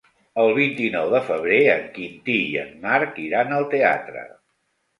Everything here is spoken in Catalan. El vint-i-nou de febrer en Quintí i en Marc iran al teatre.